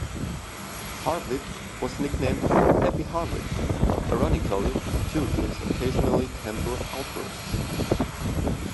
Harvick was nicknamed "Happy Harvick" ironically due to his occasional temper outbursts.